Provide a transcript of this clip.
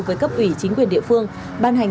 với cấp ủy chính quyền địa phương ban hành